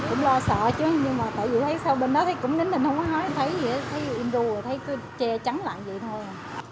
cũng lo sợ chứ nhưng mà tại vì thấy sau bên đó cũng nín mình không có nói thấy gì hết thấy im đùa thấy chê trắng lại vậy thôi